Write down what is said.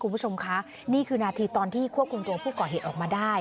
คุณผู้ชมคะนี่คือนาทีตอนที่ควบคุมตัวผู้ก่อเหตุออกมาได้